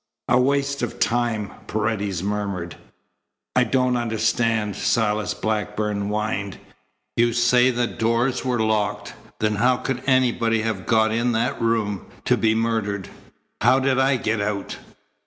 "A waste of time," Paredes murmured. "I don't understand," Silas Blackburn whined, "You say the doors were locked. Then how could anybody have got in that room to be murdered? How did I get out?"